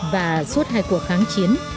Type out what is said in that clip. và suốt hai cuộc kháng chiến